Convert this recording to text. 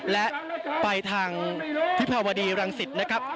และไปทางทิพวดีรังสิทธิ์นะครับ